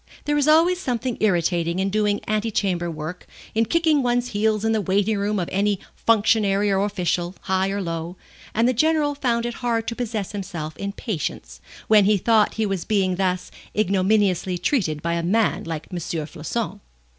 There is always something irritating in doing antechamber work, in kicking one's heels in the waiting room of any functionary or official, high or low, and the General found it hard to possess himself in patience, when he thought he was being thus ignominiously treated by a man like M. Floçon.